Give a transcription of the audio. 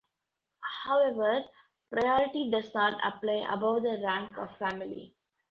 However, priority does not apply above the rank of family.